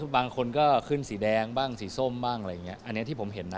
บางคนก็ขึ้นสีแดงบ้างสีส้มบ้างอะไรอย่างนี้อันนี้ที่ผมเห็นนะ